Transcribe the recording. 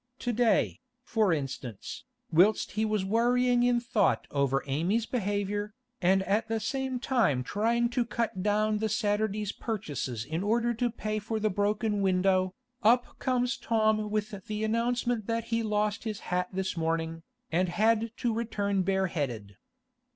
To day, for instance, whilst he was worrying in thought over Amy's behaviour, and at the same time trying to cut down the Saturday's purchases in order to pay for the broken window, up comes Tom with the announcement that he lost his hat this morning, and had to return bareheaded.